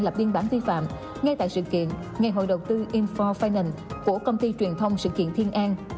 lập biên bản vi phạm ngay tại sự kiện ngày hội đầu tư inford finance của công ty truyền thông sự kiện thiên an